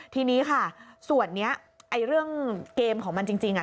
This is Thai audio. ทีนี้ค่ะส่วนนี้ไอ้เรื่องเกมของมันจริงอ่ะ